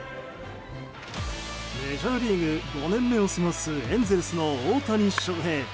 メジャーリーグ５年目を過ごすエンゼルスの大谷翔平。